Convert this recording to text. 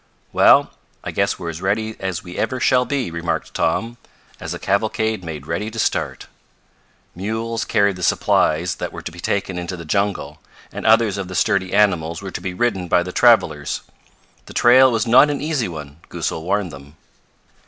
"Well, I guess we're as ready as we ever shall be," remarked Tom, as the cavalcade made ready to start. Mules carried the supplies that were to be taken into the jungle, and others of the sturdy animals were to be ridden by the travelers. The trail was not an easy one, Goosal warned them.